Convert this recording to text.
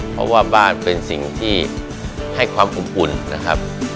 เพราะว่าบ้านเป็นสิ่งที่ให้ความอบอุ่นนะครับ